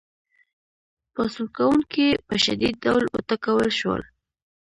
پاڅون کوونکي په شدید ډول وټکول شول.